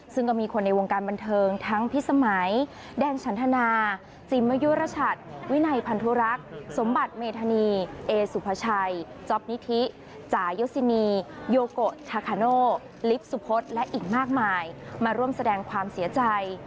ซึ่งก็มีคนในวงการบันเทิงทั้งพิสมัยแดนฉันทนาจิมมยุรชัดวินัยพันธุรักษ์สมบัติเมธานีเอสุภาชัยจ๊อปนิธิจ่ายศินีโยโกชาคาโน่ลิฟต์สุพศและอีกมากมายมาร่วมแสดงความเสียใจ